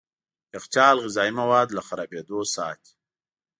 يخچال غذايي مواد له خرابېدو ساتي.